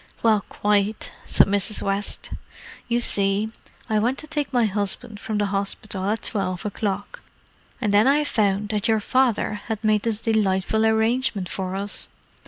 "Well, quite," said Mrs. West. "You see, I went to take my husband from the hospital at twelve o'clock, and then I found that your father had made this delightful arrangement for us.